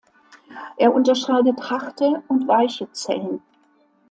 Er unterscheidet harte und weiche Zellen.